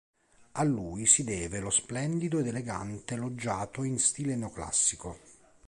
A lui si deve lo splendido ed elegante loggiato in stile neoclassico.